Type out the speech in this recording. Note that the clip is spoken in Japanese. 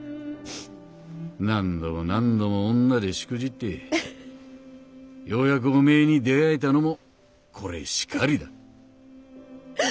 何度も何度も女でしくじってようやくおめえに出会えたのもこれしかりだ」。